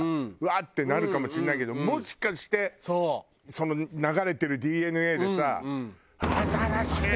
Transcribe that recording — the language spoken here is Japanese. ってなるかもしれないけどもしかしてその流れてるＤＮＡでさアザラシー！